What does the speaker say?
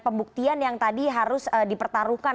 pembuktian yang tadi harus dipertaruhkan